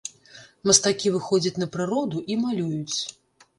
Мастакі выходзяць на прыроду і малююць.